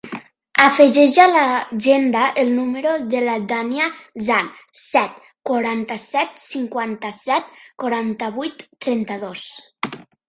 Afegeix a l'agenda el número de la Dània Zhan: set, quaranta-set, cinquanta-set, quaranta-vuit, trenta-dos.